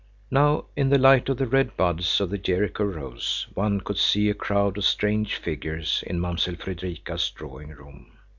Now in the light of the red buds of the Jericho rose one could see a crowd of strange figures in Mamsell Fredrika's drawing room.